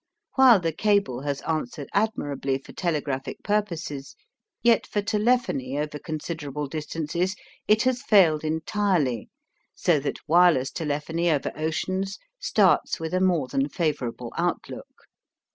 While the cable has answered admirably for telegraphic purposes yet for telephony over considerable distances it has failed entirely so that wireless telephony over oceans starts with a more than favorable outlook.